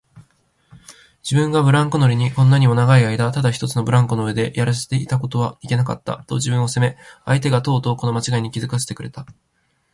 自分がブランコ乗りにこんなにも長いあいだただ一つのブランコの上でやらせていたことはいけなかった、と自分を責め、相手がとうとうこのまちがいに気づかせてくれた